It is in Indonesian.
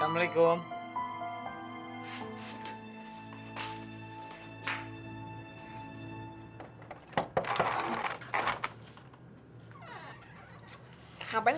ngapain kalian berdua